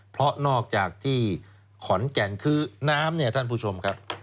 เพราะนอกจากที่ขอนแก่นคือน้ำเนี่ยท่านผู้ชมครับ